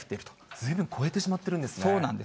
ずいぶん超えてしまっているそうなんです。